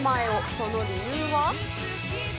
その理由は。